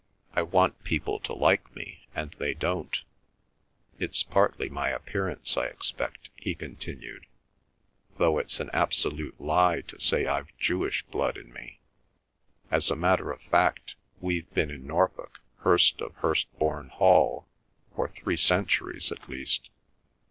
I want people to like me, and they don't. It's partly my appearance, I expect," he continued, "though it's an absolute lie to say I've Jewish blood in me—as a matter of fact we've been in Norfolk, Hirst of Hirstbourne Hall, for three centuries at least.